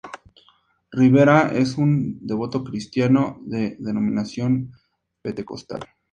Rivera es un devoto cristiano de denominación pentecostal.